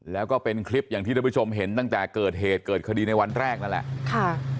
แล้วก็เป็นคลิปอย่างที่ท่านผู้ชมเห็นตั้งแต่เกิดเหตุเกิดคดีในวันแรกนั่นแหละค่ะ